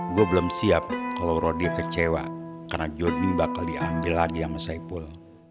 gue belum siap kalau rodie kecewa karena joni bakal diambil lagi sama saiful